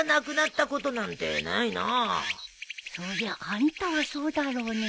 そりゃあんたはそうだろうね。